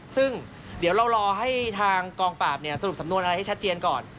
ซึ่งเดี๋ยวเรารอให้ทางกองปราบสรุปสำนวนอะไรให้ชัดเจนก่อน